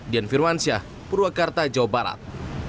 dian firmansyah purwakarta jawa barat